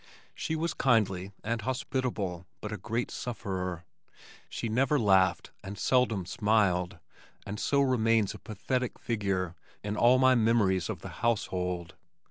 She was kindly and hospitable, but a great sufferer. She never laughed, and seldom smiled, and so remains a pathetic figure in all my memories of the household.